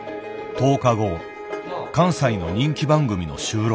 １０日後関西の人気番組の収録。